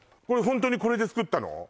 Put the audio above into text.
これホントにこれで作ったの！？